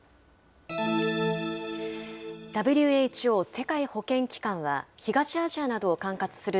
ＷＨＯ・世界保健機関は、東アジアなどを管轄する、